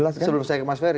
sebelum saya ke mas ferry